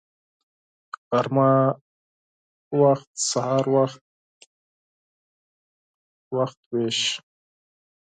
غرمه مهال سهار مهال ، مهال ویش